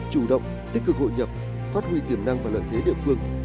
chủ động tích cực hội nhập phát huy tiềm năng và lợi thế địa phương